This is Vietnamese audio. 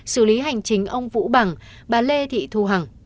xử lý hành chính ông vũ bằng bà lê thị thu hằng